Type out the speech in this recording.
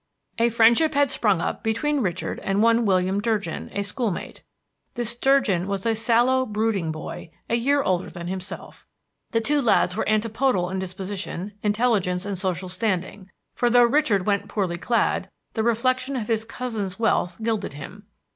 A friendship had sprung up between Richard and one William Durgin, a school mate. This Durgin was a sallow, brooding boy, a year older than himself. The two lads were antipodal in disposition, intelligence, and social standing; for though Richard went poorly clad, the reflection of his cousin's wealth gilded him.